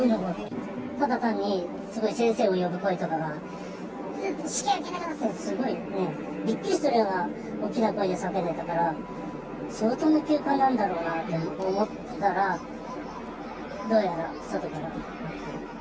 ただ単に、すごい先生を呼ぶ声とかが、至急来てくださいって、すごくびっくりするような大きな声で叫んでたから、相当な急患なんだろうなと思ったら、どうやら外から。